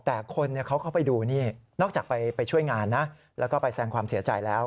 แต่คนเขาเข้าไปดูนี่นอกจากไปช่วยงานนะแล้วก็ไปแสงความเสียใจแล้ว